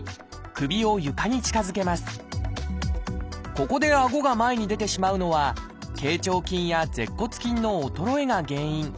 ここであごが前に出てしまうのは頚長筋や舌骨筋の衰えが原因。